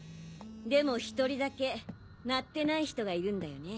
でも１人だけ鳴ってない人がいるんだよね？